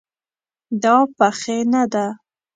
دا پخې نه ده